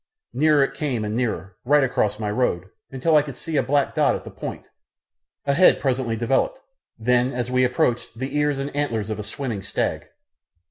Nearer it came and nearer, right across my road, until I could see a black dot at the point, a head presently developed, then as we approached the ears and antlers of a swimming stag.